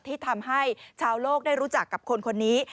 ที่ทำให้ชาวโลกได้รู้จักกับคนคนนี้